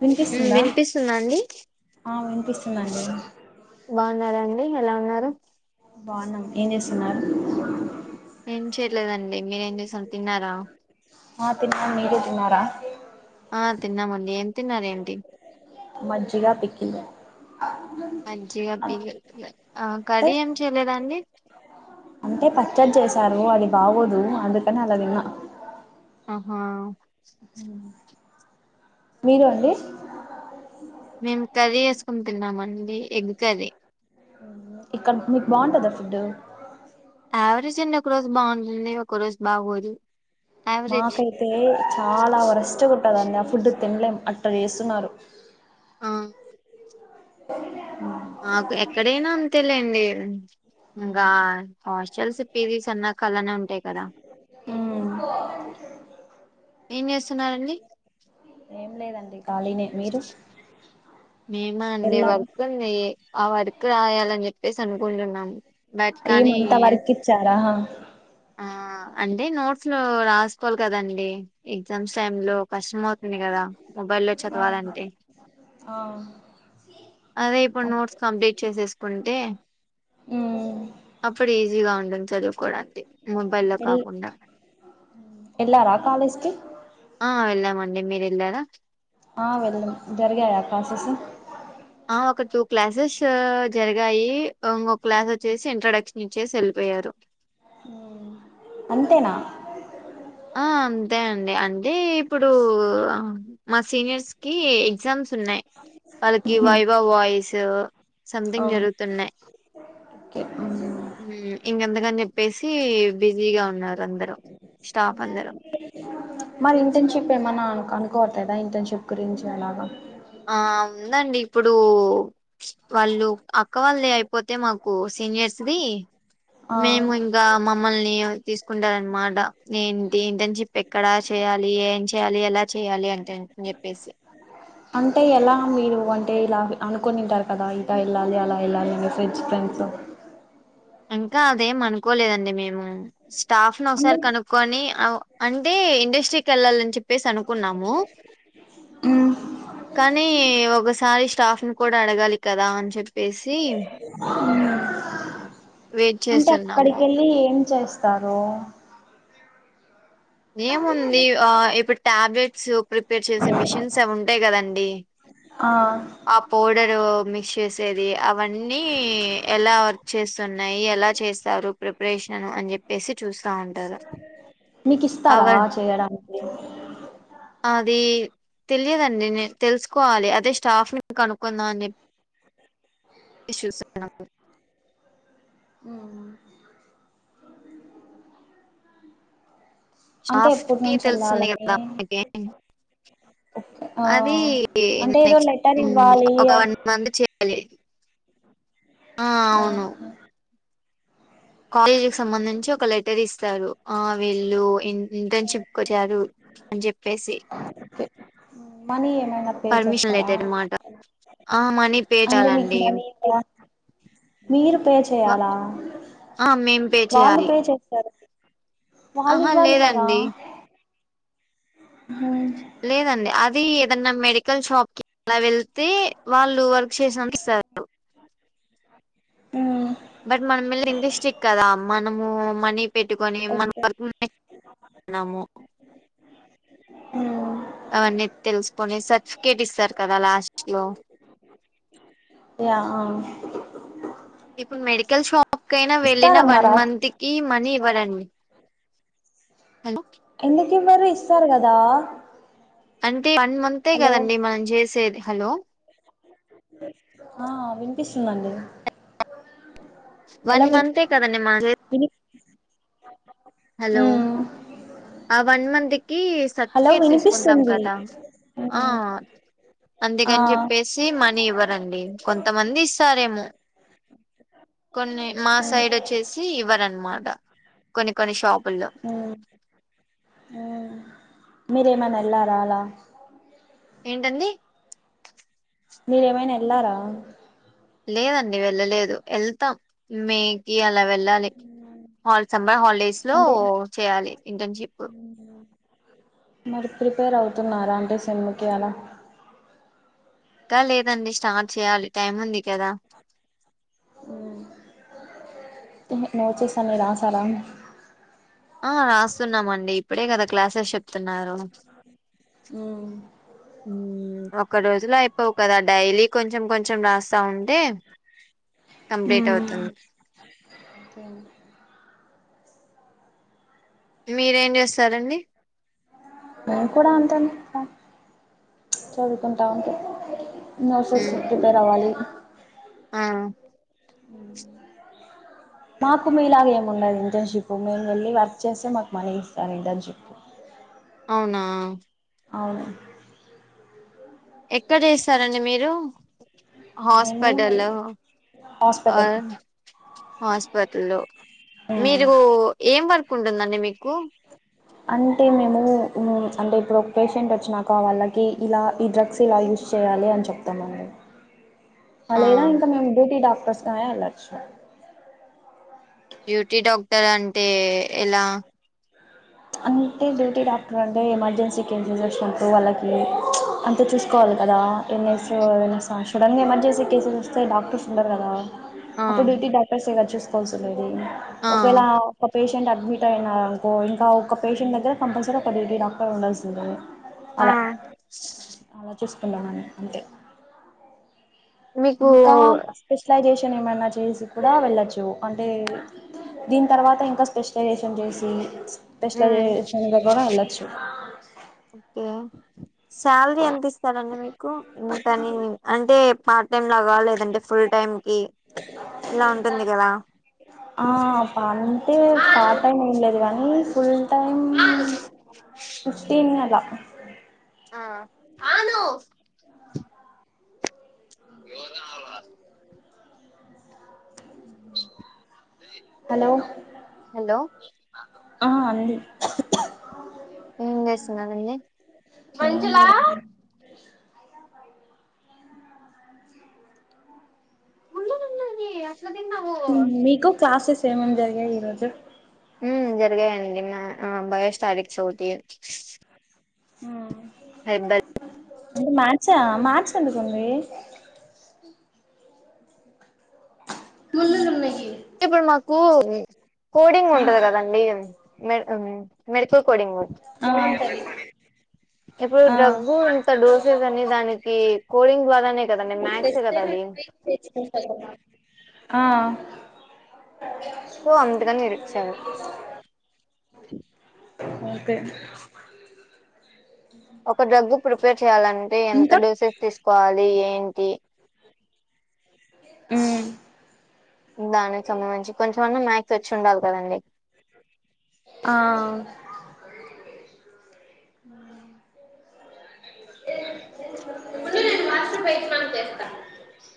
వినిపిస్తుందా వినిపిస్తుందా అండి? ఆ వినిపిస్తుందండి బాగున్నారా అండి? ఎలా ఉన్? అ. రా! బాఉన్నాం. ఏం జేస్తున్నారు? ఏం చేయలేదండి, మీరు ఏం చేశారు? తిన్నారా? హా, తిన్నాం. మీరు తిన్నారా? హా, తిన్నాం అండి. ఏం? తిన్నారేంటి మజ్జిగ, పికిల్. మజ్జిగ, అంటే పికిల్ ఇగ హా. ఏం చేయలేదాండి? అంటే, పచ్చడి చేసారు. అది బాగోదు, అందుకని అలా విన్నా! హ. మీరు అండి మేము కర్రీ చేసుకుని తిన్నామండి ఎగ్ కర్రీ ఇక్కడ మీకు బాగుంటదా ఫుడ్డు యావరేజ్ అండి ఒక రోజు బాగుంటుంది ఒక రోజు బాగోదు యావరేజ్ మాకైతే చాలా వరస్ట్ గుంటాదండీ ఆ ఫుడ్ తిన్లేం అట్ట చేస్తున్నారు [inaudible] [inaudible] నాకు ఎక్కడైనా అంతేలేండి [inaudible] ఇంకా హాస్టల్స్ పీజీస్ అన్నాకలానే ఉంటాయి కదా మ్మ్ ఏం చేస్తున్నారండి ఏం లేదండి ఖాళీనే మీరు మేమా అండి వెళ్ళారా వర్క్ ఉంది ఆ వర్క్ రాయాలని చెప్పేసి అనుకుంటున్నాము బట్ కానీ ఏమంతా వర్క్ ఇచ్చారా ఆ అంటే నోట్స్ లో రాసుకోవాలి కదండి ఎగ్జామ్స్ టైమ్ లో కష్టం అవుతుంది కదా మొబైల్లో ఆ చదవాలంటే ఆ అదే ఇప్పుడు నోట్స్ కంప్లీట్ చేసేసుకుంటే మ్మ్ అప్పుడు ఈజీగా ఉంటుంది చదువుకోవడానికి మొబైల్లో ఎల్ కాకుండా ఎల్లారా కాలేజ్ కి [inaudible] ఆ వెళ్ళా మండి మీరు వెళ్ళారా ఆ వెళ్ళం జరిగాయా క్లాసెస్ ఆ ఒక టూ క్లాసెస్ జరిగాయి ఇంకో క్లాస్ వచ్చేసి ఇంట్రొడక్షన్ ఇచ్చేసి వెళ్ళిపోయారు అంతేనా ఆ అంతే అండి అంటే ఇప్పుడు మా సీనియర్స్ కి ఎగ్జామ్స్ న్నాయి వాళ్ళకి వైవ వాయిస్ సంథింగ్ జరుగుతున్నాయీ ఓకే హామ్ ఇంకంతకని చెప్పేసి బిజీగా ఉన్నారు అందరూ స్టాఫ్ అందరూ మరి ఇంటర్న్షిప్ ఏమన్నా కనుకోట్లేదా ఇంటర్న్షిప్ గురించి ఎలాగా ఆ ఉందండి ఇప్పుడు వాళ్ళు అక్క వాళ్ళదీ అయిపోతే మాకు సీనియర్స్ ది ఆ మేము ఇంకా మమ్మల్ని తీసుకుంటార అనమాట ఏంటి ఇంటర్న్షిప్ ఎక్కడా చేయాలి ఏం చెయాలి ఎలా చేయాలి అంటే చెప్పేసి అంటే ఎలా మీరు అంటే ఇలా అనుకునింటారు కదా ఇట వెళ్ళాలి అలా వెళ్ళాలి మీ ఫ్రెండ్స్ ఫ్రెండ్స్ ఇంకా అదేం అనుకోలేదండి మేము స్టాఫ్ ను అంటే ఒకసారి కనుక్కోని అంటే ఇండస్ట్రీకి వెళ్ళాలని చెప్పేసి అనుకున్నాము మ్ కానీ ఒకసారి స్టాఫ్ ను కూడా అడగాలి కదా అని చెప్పేసి వెయిట్ అంటే చేస్తున్నాము. అక్కడికెళ్లి ఎం చేస్తారు ఏముంది ఆ ఇప్పుడు టాబ్లెట్ సూప్ ప్రిపేర్ చేసే మిషన్స్ అవి ఉంటాయి కదండి ఆ ఆ పౌడరు మేష్ చేసేది వన్నీ ఎలా వర్ చేస్త ఉన్నాయి ఎలా చేస్తారు ప్రిపరేషన్ అని చెప్పేసి చూస్తా ఉంటారు మీకు ఇస్తారా అవర్ చేయడానికి అది తెలియదండి నే తెలుసుకోవాలి అదే స్టాఫ్ ని కొనుక్కుందాం అని చూస అమ్ అంటే ఎప్పటి ఆఫకి నుంచి తెలుస్తుంది వెళ్ళాలని కదా ఇంకేం ఓకే ఆ అది అంటే ఏదో నెక్స్ట్ లెటర్ ఇవ్వాలి ఒక అ వన్ మంత్ చేయ్యాలి ఆ అవును కాలేజీ కి సంబంధించి ఒక లెటర్ ఇస్తారు ఆ వీళ్ళు ఇంటెన్ షిప్ కి కొచ్చారు అని చెప్పేసి మనీ ఏమైనా పే పర్మిషన్ చేస్తారా లేటర్ అనమాట ఆ మ అంటే మీకు మని ఇవ్వరా మీరు పే వ- చేయాలా ఆ మేం పే వాళ్ళు చేయాలి పే చేస్తారు వాలు ఆహా ఇవాలి కదా లేదండి హ్మ్ లేదండి అది ఏదన్నా మెడికల్ షాప్ కి అలా వెళ్తే వాళ్ళు వర్క్ చేసినందుకు ఇస్తారు ఆ బట్ మనం వెళ్ళేది ఇండస్ట్రక్ కదా మనము మనీ పెట్టుకొని మన అఓకే వర్క్ న్నాము ఆ అవన్నీ తెలుసుకొని సర్టిఫికేట్ ఇస్తారు కదా లాస్ట్ లో యా ఆ ఇప్పుడు మెడికల్ షాప్ కైనా వెళ్ళిన వన్ ఇస్తారన్నారా మంత్ కి మనీ డి ఎందుక మరు ఇస్తారు కదా అంటే వన్ మంతే హలో కదండి మనం చేసేది హలో ఆహ్ వినిపిస్తుందండి. హలో వన్ విని మంతే కదా అండి మాట్లా ఉమ్ ఆహ్ వన్ మంత్ కి సర్టిఫికెట్ తీసుకుంటాం వినిపిస్తుంది కదా. హ్మ్ ఆహ్. ఆ అందుకని చెప్పేసి మనీ ఇవ్వరండి కొంత. కొంతమంది ఇస్తారేమో కొన్ని మా హ్మ్ సైడ్ వచ్చేసి ఇవ్వరన్నమాట కొన్ని కొన్ని షాప్. ఉమ్ మీరేమైనా వెళ్లారా అలా. ఏంటండీ. మీరేమైనా వెళ్ళారా. లేదండి వెళ్ళలేదు వెళ్తాం. మే కి అలా వెళ్ళాలి. హల్ సమ్మర్ హాలిడేస్ లో అంటే చేయాలి ఇంటర్న్షిప్. మరి ప్రిపేర్ అవుతున్నారా అంటే సేమ్ కి అలా ఇంకా లేదండి స్టార్ట్ చేయాలి. టైం ఉంది కదా. నోట్స్స్ అన్ని రాశారా. ఆహ్ రాస్తున్నామండి ఇప్పుడే కదా క్లాసెస్ చెప్. తిన్నారో ఉమ్ ఒకరోజు. అందులో అయిపోవు కదా డైలీ కొంచెం కొంచెం రాస్తా ఉంటే. కంప్లీట్ అవుతుంది. మీరేం చేస్తారండి. మేము కూడా అంతేండి చదువుకుంటా ఉంటాం. ఉమ్ ప్రాసెస్ ఉత్తిగనే రావాలి. ఆహ్. మాకు మీలాగ ఏముండదు ఇంటర్న్షిప్ మేము వెళ్ళి వర్క్ చేస్తే మాకు మనీ ఇస్తారు ఇంటర్న్షిప్. అవునా. అవును. ఎక్కడ చేస్తారండి మీరు. మేము హాస్పిటల్ ఆహ్. హాస్పిటల్ హస్ తిరుపతి లో మీరు ఏం వర్కు. కుంటుందండి మీకు. అంటే మేము అంటే ఇప్పుడు పేషెంట్ వచ్చినాక వాళ్ళకి ఇలా ఈ డ్రగ్స్ ఇలా యూస్ చేయ్యాలి అని చెప్తాము అండి. ఆహ్ లేదా ఆ ఇంకా మేము డ్యూటీ డాక్టర్స్. దాయ ఎలక్షన్. డ్యూటీ డాక్టర్ అంటే ఎలా. అంటే డ్యూటీ డాక్టర్ అంటే ఎమర్జెన్సీ కేసెస్ వచ్చినపుడు వాళ్ళకి అంతే చూసుకోవాలి కదా. ఎన్నస్ ఏమైనా ఆహ్ సడాన్ ఎమర్జెన్సీ కేసెస్ వస్తే డాక్టర్స్ ఉండరు కదా. ఆ అప్పుడు డ్యూటీ డాక్టర్స్. తననీ చూసుకోవాల్సింది. ఆ ఒకవేళ ఓక్ పేష్. పేషెంట్ అడ్మిట్ అయినా ఇంకో ఇంకా. ఒక పేషెంట్ దగ్గర కంపల్సరీ ఒక [unintelligible] డాక్టర్ ఉండాల్సిందే. ఆ. అలా అలా [unintelligible] ఉండ [unintelligible] అంతే. మీకు ఇంకా స్పెషలైజేషన్. [unintelligible] ఏమైనా చేసి కూడా వెళ్లొచ్చు. అంటే దీని తర్వాత ఇంకా స్పెషలైజేషన్ చేసి స్. పేషలైజేషన్ దగ్గర ఎలాచ్చూ. ఓకే శాలరీ ఎంత ఇస్తారండి మీకు, ఇంతాని అంటే. పార్ట్ టైమ్ లాగా లేదంటే ఫుల్ టైమ్. కి ఇలా ఉంటుంది కదా ఆ పంటే పార్ట్ టైమ్ ఏంలేదు గానీ. నీ ఫుల్. టైమ్. ఫిఫ్టీన్ అలా. ఆ. ఎవర్ర అవా. హలో. హలో. ఆ అండి. ఏం చేస్తున్నారండి. ఏం లేదండి ఉండనుండని యా. మీకు క్లాసెస్. ఏమేం జరిగాయి ఈ రోజు. ఉమ్ జరిగాయండి మ్యా, బయో స్టాటిక్స్ తీ. ఉమ్. హెర్బల్. అంటే మార్చా మార్చ్ ఎందుకుంది. ముందున్నాఅమ్మాయికి. ఏప్పుడ్ మాకు. ఓ. కోడింగ్ ఉంటది కదండీ. మె ఉమ్ మెడికల్ కోడింగు. ఆ. ఇప్పుడు దగ్గు, ఇంత డోసెస్ అనీ దానికి. కోడింగ్ ద్వారానే కదండి మ్యాథ్సే తేప్పేస్తే కదా అది మేము పోయి తెచ్చుకుంటాం ఆ ఓ అందుకని విడోచాడు అంతే ఒక డ్రగ్గు ప్రిపేర్ చేయాలంటే ఎంత ఇంకా డోసెస్ తీసుకోవాలి ఏం తే ఉ దానికి సంబంధించి కొంచెంమన్నా మ్యాక్స్ వచ్చి ఉండాలి కదండి ఆ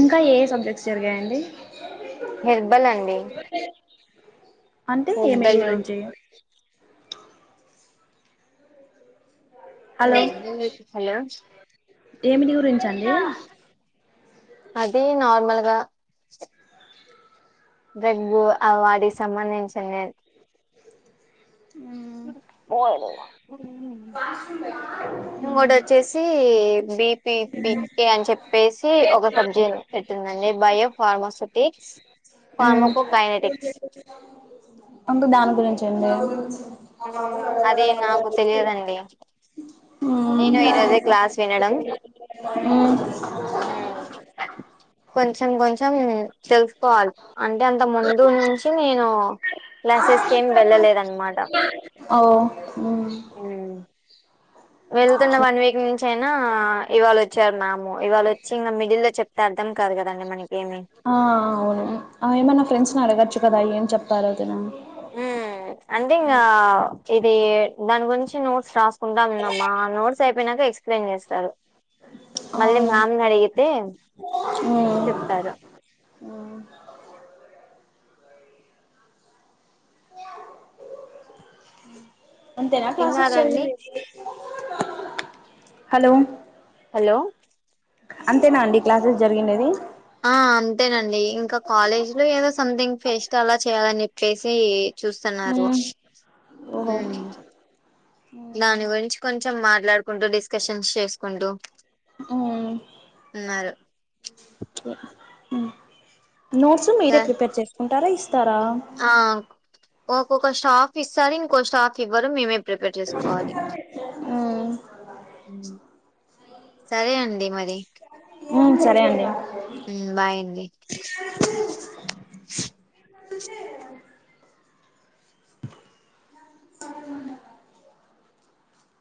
ఇంకా ఏ సబ్జెక్ట్స్ జరిగాయండి హేర్బల్ అండి అంటే ఏమిది హెర్బల్ గురించి హలో హలో ఏమిటి గురించండి అది నార్మల్గా దగ్గు ఆ వాటికి సంబంధించి నేను ఓయి నువ్వ ఇంకోటి వచ్చేసి బిపి పిక్తే అని చెప్పేసి ఒక సబ్జెను టెందండి బయో ఫార్మాసూటిక్స్ ఉ అంటే దాని గురించి తిన్నవు ఉ అది నాకు తెలియదండి మ్మ్ నేను ఈ రోజే క్లాస్ వినడం మ్మ్ కొంచెం కొంచెం తెలుసుకోవాలి అంటే అంత ముందు నుంచి నేను క్లాసెస్ కేం వెళ్ళలేదు అన్మట ఓ మ్మ్ ఉ వెళ్తున్న వన్ వీక్ నుంచి అయినా ఇవాళ వచ్చారు మ్యామ్ ఏమో ఇవాళ వచ్చి ఇంగా మిగిలిన చెప్తే అర్థం కాదు కదండి మనకి ఏమి ఆ అవును ఏమైనా ఫ్రెండ్స్ ని అడగచ్చు కదా ఎమ్ చెప్పారు వదిన ఉమ్ అంటే ఇంగా ఇది దాని గురించి నోట్స్ రాసుకుంటా ఉన్నమా నోట్స్ అయిపోయినాక ఎక్స్ప్లెయిన్ చేస్తారు మళ్ళీ మ్యామ్ ని అడిగితే చెప్తారు ఊ అంతేనా క్లాసెస్ తిన్నారండి జరిగేది హలో హలో అంతెనా అండి క్లాసెస్ జరిగింనడేది ఆ అంతేనండి ఇంకా కాలేజ్ లో ఏదో సంథింగ్ ఫెస్ట్ అలా చేయాలని జెప్పేసి చూస్తున్నారు ఓహో ఉమ్ దాని గురించి కొంచెం మాట్లాడుకుంటూ డిస్కషన్స్ చేసుకుంటూ ఉన్నారు నోట్స్ మీరే సార్ ప్రిపేర్ చేసుకుంటారా ఇస్ తరా ఆ ఒక్కొక్క స్టాఫ్ ఇస్తార్ ఇంకో స్టాఫ్ ఇవ్వ వరు మేమే ప్రిపేర్ చేసుకోవాలి సరే అండి మరి అ [unintelligible] ఉమ్ సరే అండి ఉమ్ బై అండి స్ పిన్ని అ